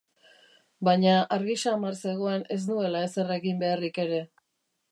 Baina argi samar zegoen ez nuela ezer egin beharrik ere.